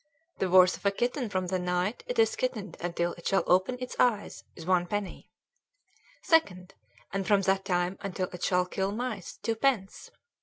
The worth of a kitten from the night it is kittened until it shall open its eyes, is one penny. 2d. And from that time until it shall kill mice, two pence.